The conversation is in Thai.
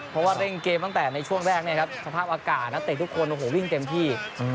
เพราะว่าเร่งเกมตั้งแต่ในช่วงแรกเนี่ยครับสภาพอากาศนักเตะทุกคนโอ้โหวิ่งเต็มที่